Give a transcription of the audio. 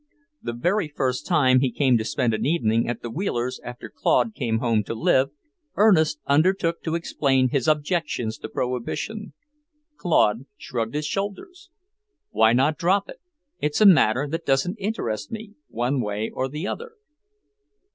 The very first time he came to spend an evening at the Wheelers' after Claude came home to live, Ernest undertook to explain his objections to Prohibition. Claude shrugged his shoulders. "Why not drop it? It's a matter that doesn't interest me, one way or the other."